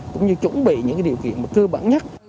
cũng như chuẩn bị những điều kiện cơ bản nhất